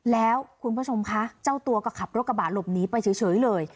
แล้วคุณผู้ชมคะเจ้าตัวก็ขับรถกระบะหลบหนีไปเฉยเลย